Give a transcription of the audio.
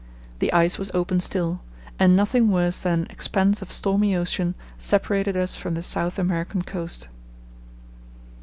The ice was open still, and nothing worse than an expanse of stormy ocean separated us from the South American coast.